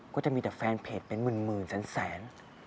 ก็จะมีแต่แฟนเพจเป็นหมื่นแสน